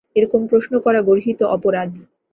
এরকম প্রশ্ন করা গর্হিত অপরাধ।